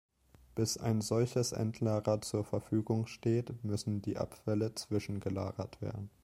Bis ein solches Endlager zur Verfügung steht, müssen die Abfälle zwischengelagert werden.